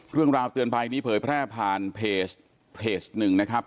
เรื่องราวเตือนภัยนี้เผยแพร่ผ่านเพจหนึ่งนะครับ